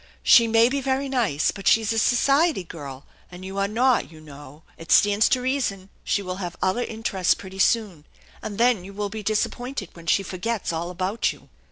She may be very nice, but she's a society girl, and you are not, you know. It stands to reason she will have other interests pretty soon, and then you will be dis appointed when she forgets all about you."